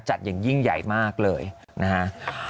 อย่างยิ่งใหญ่มากเลยนะฮะ